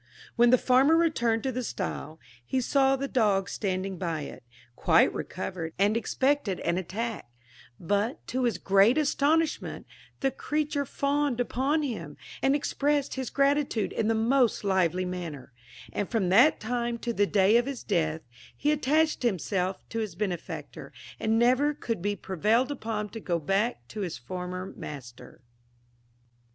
When the farmer returned to the stile, he saw the dog standing by it, quite recovered, and expected an attack; but, to his great astonishment, the creature fawned upon him, and expressed his gratitude in the most lively manner; and from that time to the day of his death he attached himself to his benefactor, and never could be prevailed upon to go back to his former master.